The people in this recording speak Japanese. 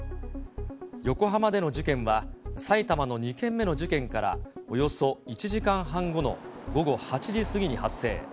横浜での事件は、埼玉の２件目の事件からおよそ１時間半後の午後８時過ぎに発生。